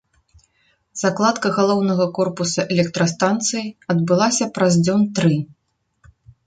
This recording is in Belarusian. Закладка галоўнага корпуса электрастанцыі адбылася праз дзён тры.